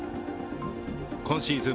今シーズン